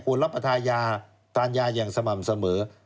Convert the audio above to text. ควรรับประทานยาอย่างสม่ำเสมอ